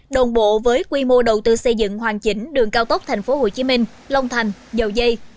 đồng bộ với quy mô đầu tư xây dựng hoàn chỉnh đường cao tốc tp hcm long thành dầu dây